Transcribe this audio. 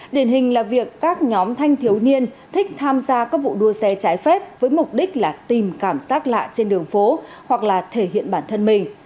điển hình là việc các nhóm thanh thiếu niên thích tham gia các vụ đua xe trái phép với mục đích là tìm cảm giác lạ trên đường phố hoặc là thể hiện bản thân mình